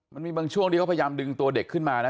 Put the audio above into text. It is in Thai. มันมีบางช่วงที่เขาพยายามดึงตัวเด็กขึ้นมานะ